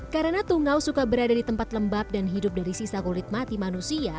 karena tungau suka berada di tempat lembab dan hidup dari sisa kulit mati manusia